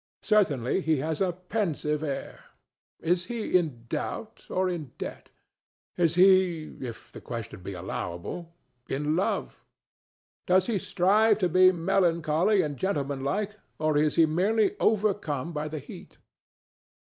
Certainly he has a pensive air. Is he in doubt or in debt? Is he—if the question be allowable—in love? Does he strive to be melancholy and gentlemanlike, or is he merely overcome by the heat?